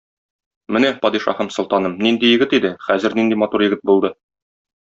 Менә, падишаһым-солтаным, нинди егет иде, хәзер нинди матур егет булды.